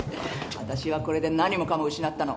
私はこれで何もかも失ったの。